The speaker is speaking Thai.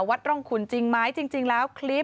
วัดตรงคุณจริงมั้ยจริงแล้วคลิป